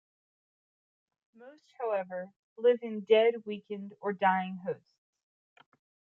Most, however, live in dead, weakened, or dying hosts.